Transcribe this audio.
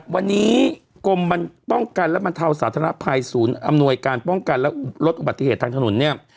วันนี้กรมป้องกันและบรรเทาสาธารณภัยศูนย์อำนวยการป้องกันและลดอุบัติเหตุทางถนนเนี่ย